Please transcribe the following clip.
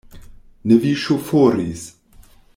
Ne vi ŝoforis!